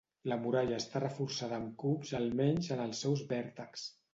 La muralla està reforçada amb cubs almenys en els seus vèrtexs.